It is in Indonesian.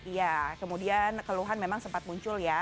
iya kemudian keluhan memang sempat muncul ya